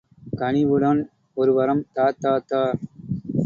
கனிவுடன் ஒருவரம் தா தா தா.